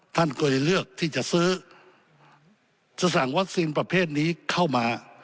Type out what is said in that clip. ท่านก็เลยเลือกที่จะซื้อจะสั่งวัคซีนประเภทนี้เข้ามา